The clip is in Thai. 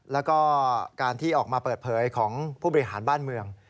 แล้วก็การที่ออกมาเปิดเผยของผู้บริหารบ้านเมือง